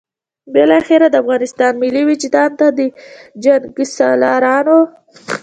بالاخره د افغانستان ملي وجدان ته د جنګسالارانو.